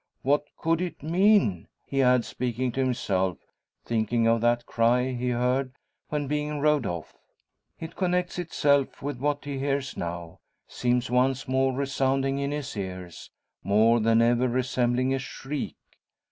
What could it mean?" he adds, speaking to himself, thinking of that cry he heard when being rowed off. It connects itself with what he hears now; seems once more resounding in his ears, more than ever resembling a shriek!